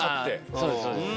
そうですそうです。